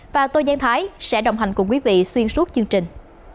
và tô giang thái sẽ đồng hành cùng quý vị xuyên suốt chương trình